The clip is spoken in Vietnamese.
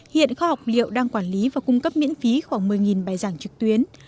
hiện khoa học liệu đang quản lý và cung cấp miễn phí khoảng một mươi bài giảng trực tuyến